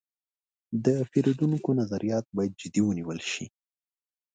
د پیرودونکو نظریات باید جدي ونیول شي.